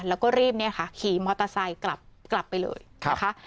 แล้วก็รีบขี่มอเตอร์ไซค์กลับไปเลยนะคะ